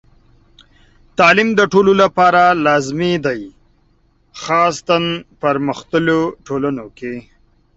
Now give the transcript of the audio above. تعلیم د ټولو لپاره لازمي دی، خاصتاً پرمختللو ټولنو کې.